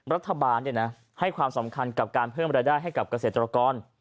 รัฐบาลให้ความสำคัญกับการเพิ่มรายได้ให้กับเกษตรกร